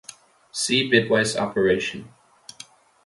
See bitwise operation.